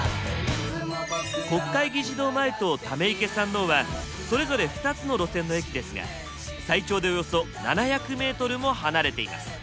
国会議事堂前と溜池山王はそれぞれ２つの路線の駅ですが最長でおよそ７００メートルも離れています。